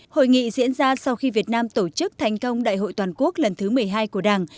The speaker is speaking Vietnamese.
hội nghị diễn ra sau khi việt nam tổ chức thành công đại hội toàn quốc lần thứ một mươi hai của đảng